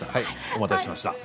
お待たせしました。